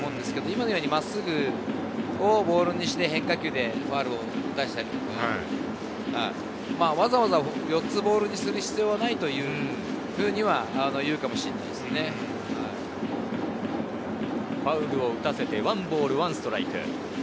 今のように真っすぐをボールにして変化球でファウルを出したり、わざわざ４つボールにする必要はないというふうには言うかもしれファウルを打たせて１ボール１ストライク。